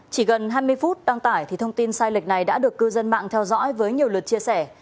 chỉ gần hai mươi phút đăng tải thì thông tin sai lệch này đã được cư dân mạng theo dõi với nhiều lượt chia sẻ